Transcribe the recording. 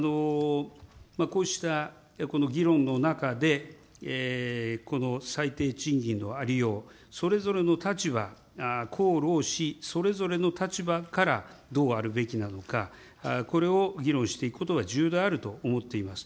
こうしたこの議論の中で、この最低賃金のありよう、それぞれの立場、公労使それぞれの立場からどうあるべきなのか、これを議論していくことが重要であると思っています。